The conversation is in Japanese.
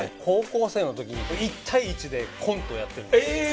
高校生のときに１対１でコントをやってるんです。